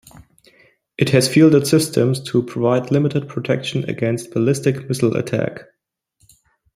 It has fielded systems to provide limited protection against ballistic missile attack.